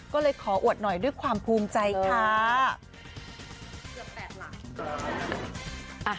ก็เลยขออวดหน่อยด้วยความภูมิใจค่ะ